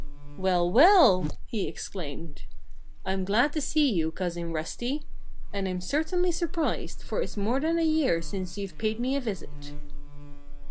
"Well, well!" he exclaimed. "I'm glad to see you, Cousin Rusty. And I'm certainly surprised, for it's more than a year since you've paid me a visit."